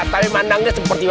tapi manangnya sepertinya